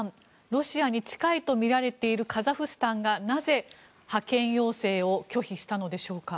ロシアに近いとみられているカザフスタンがなぜ、派遣要請を拒否したのでしょうか。